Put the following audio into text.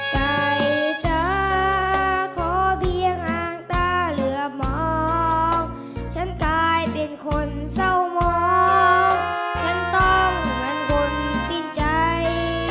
ไก่จ้าขอเพียงอ้างตาเหลือมองฉันกลายเป็นคนเศร้ามองฉันต้องเหมือนบ่นสิ้นใจ